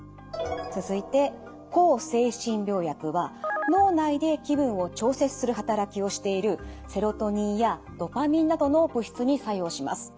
続いて抗精神病薬は脳内で気分を調節する働きをしているセロトニンやドパミンなどの物質に作用します。